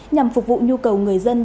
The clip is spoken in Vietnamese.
nhằm phục vụ nhu cầu người dân